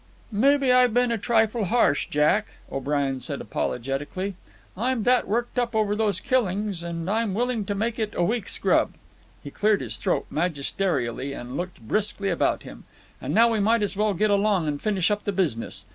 "Mebbe I've been a trifle harsh, Jack," O'Brien said apologetically—"I'm that worked up over those killings; an' I'm willing to make it a week's grub." He cleared his throat magisterially and looked briskly about him. "And now we might as well get along and finish up the business.